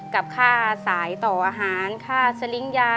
กับค่าสายต่ออาหารค่าสลิงค์ยา